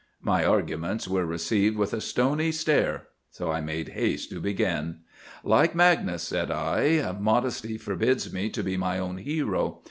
My arguments were received with a stony stare, so I made haste to begin. "Like Magnus," said I, "modesty forbids me to be my own hero.